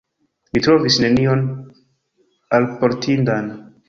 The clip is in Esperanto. Mi trovis nenion alportindan.